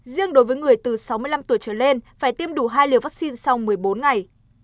riêng đối với người từ sáu mươi năm tuổi trở lên phải tiêm đủ hai liều vaccine sau một mươi bốn ngày